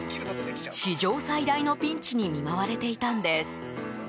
史上最大のピンチに見舞われていたんです。